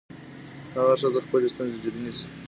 هغه ښځه خپلې ستونزې جدي نيسي.